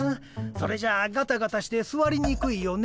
それじゃあガタガタしてすわりにくいよねえ。